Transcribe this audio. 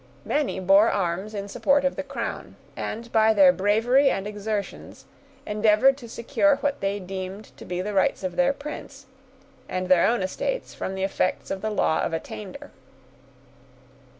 Many bore arms in support of the crown, and, by their bravery and exertions, endeavored to secure what they deemed to be the rights of their prince, and their own estates from the effects of the law of attainder.